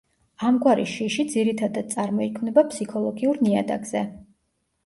ამგვარი შიში ძირითადად წარმოიქმნება ფსიქოლოგიურ ნიადაგზე.